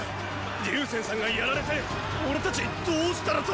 竜川さんがやられて俺たちどうしたらと！